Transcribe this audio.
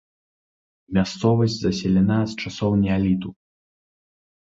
Мясцовасць заселена з часоў неаліту.